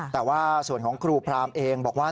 แต่ว่าส่วนของครูพรามเองบอกว่า